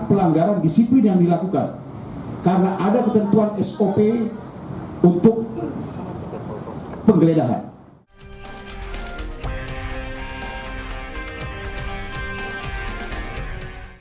pelanggaran disiplin yang dilakukan karena ada ketentuan sop untuk penggeledahan